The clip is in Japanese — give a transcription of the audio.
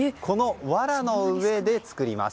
わらの上で作ります。